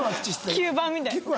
吸盤みたいな。